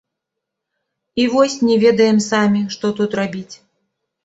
І вось не ведаем самі, што тут рабіць.